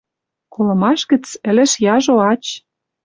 Колымаш гӹц ӹлӹш яжо ач...